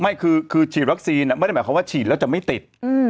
ไม่คือฉีดวัคซีนไม่ได้หมายความว่าฉีดแล้วจะไม่ติด